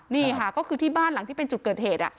นี่ค่ะก็คือที่บ้านหลังที่เป็นจุดเกิดเหตุ